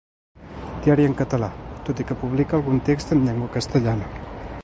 Diari en català, tot i que publicà algun text amb llengua castellana.